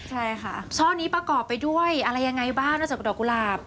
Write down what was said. ใช่ค่ะช่อนี้ประกอบไปด้วยอะไรยังไงบ้างนอกจากดอกกุหลาบ